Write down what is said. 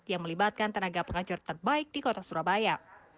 yang melibatkan tenaga pengancur terbaik di kota surabaya